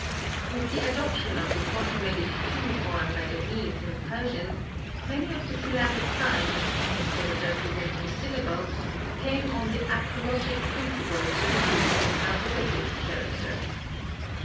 With the adoption of the Proto Medic cuneiform by the Medes and Persians, many of the syllabic signs, instead of representing syllables came on the acrologic principle to be used as alphabetic characters.